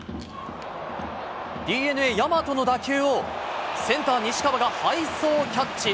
ＤｅＮＡ、大和の打球をセンター、西川が背走キャッチ。